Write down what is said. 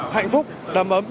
hạnh phúc đầm ấm